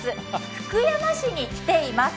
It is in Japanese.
福山市に来ています。